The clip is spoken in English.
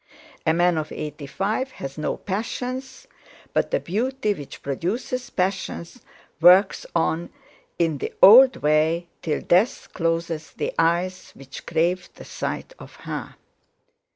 A man of eighty five has no passions, but the Beauty which produces passion works on in the old way, till death closes the eyes which crave the sight of Her.